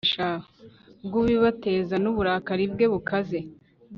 bw ubibateza n uburakari bwe bukaze